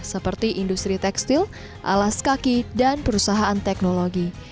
seperti industri tekstil alas kaki dan perusahaan teknologi